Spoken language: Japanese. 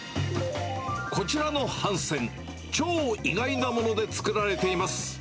こちらの帆船、超意外なもので作られています。